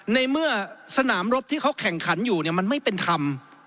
ในเมื่อสนามรบที่เขาแข่งขันอยู่เนี่ยมันไม่เป็นธรรม